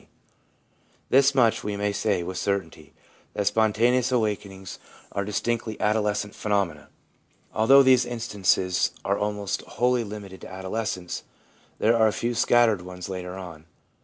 1 This much we may say with certainty, that spon taneous awakenings are distinctly adolescent phenomena. Although these instances are almost wholly limited to adolescence, there are a few scattered ones later on.